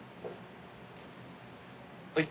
はい。